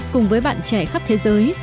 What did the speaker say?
cùng với bạn trẻ khắp thế giới